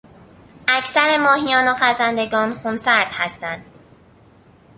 اکثر ماهیان و خزندگان خونسرد هستند.